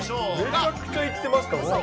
めちゃくちゃ行ってました、僕。